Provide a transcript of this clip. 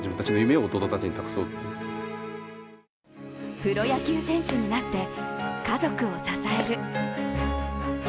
プロ野球選手になって、家族を支える。